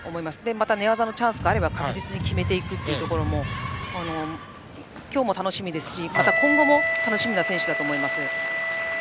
また、寝技のチャンスがあれば確実に決めていくところも今日も楽しみですし今後も楽しみな選手だと思います。